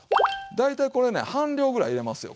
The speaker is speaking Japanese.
大体これね半量ぐらい入れますよ